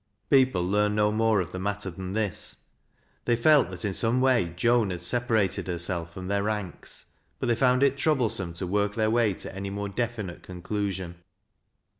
People learned no more of the matter than this. Thej felt that in some way Joan had separated herself from their ranks, but they found it troublesome to work theii way to any more definite conclusion.